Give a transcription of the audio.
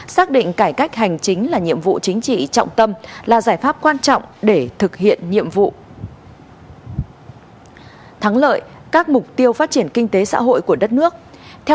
xin cảm ơn chị đinh hạnh